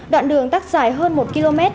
đoạn đường tắc dài hơn một km